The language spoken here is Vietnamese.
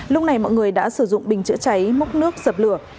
lúc này mọi người đã sử dụng bình chữa cháy mốc nước sập lửa